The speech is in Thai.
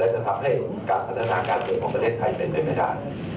จะทำให้การพัฒนาการเมืองของประเทศไทยเป็นไปไม่ได้